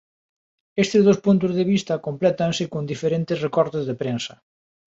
Estes dous puntos de vista complétanse con diferentes recortes de prensa.